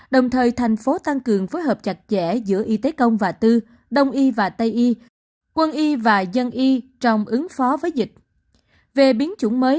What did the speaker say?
đồng thời thành phố tăng cường phối hợp chặt chẽ giữa y tế công và tư đông y và tây y quân y và dân y trong ứng phó với dịch mới